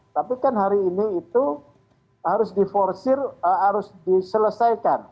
tapi kan hari ini itu harus diselesaikan